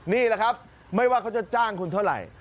นี่แหละครับไม่ว่าเขาจะจ้างคุณเท่าไหร่